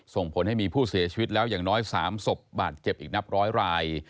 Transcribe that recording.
ส่งผลให้มีผู้เสียชีวิตแล้วอย่างน้อย๓ศพบาดเจ็บอีกนับร้อยราย